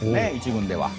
１軍では。